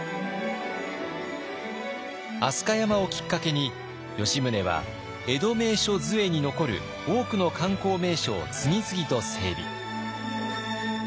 飛鳥山をきっかけに吉宗は「江戸名所図会」に残る多くの観光名所を次々と整備。